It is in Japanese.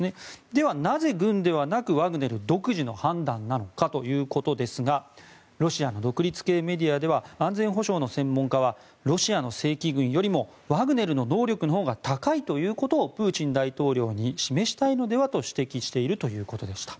ではなぜ、軍ではなくワグネル独自の判断なのかということですがロシアの独立系メディアでは安全保障の専門家はロシアの正規軍よりワグネルの能力のほうが高いということをプーチン大統領に示したいのではと指摘しているということでした。